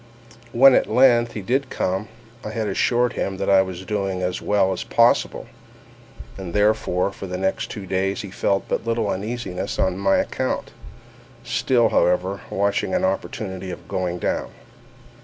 When at length he did come, I had assured him that I was doing as well as possible; and, therefore, for the two next days he felt but little uneasiness on my account—still, however, watching an opportunity of going down.